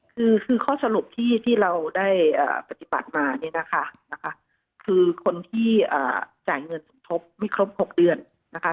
คือข้อสรุปที่เราได้ปฏิบัติมาเนี่ยนะคะคือคนที่จ่ายเงินสมทบไม่ครบ๖เดือนนะคะ